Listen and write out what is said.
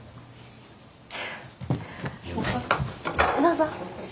どうぞ。